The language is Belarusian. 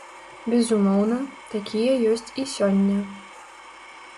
Безумоўна, такія ёсць і сёння.